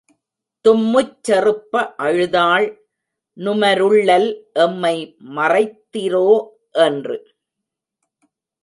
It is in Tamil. தும்முச் செறுப்ப அழுதாள் நுமருள்ளல் எம்மை மறைத்திரோ என்று.